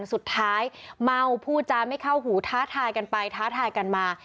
สุดท้ายเมาพูดจาไม่เข้าหูท้าทายกันไปท้าทายกันมา